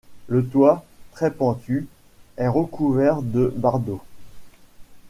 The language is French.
Le toit, très pentu, est recouvert de bardeaux.